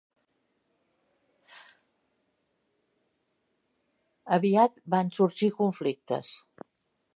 Aviat van sorgir conflictes.